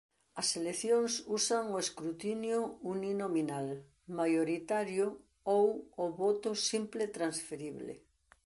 As eleccións usan o escrutinio uninominal maioritario ou o voto simple transferible.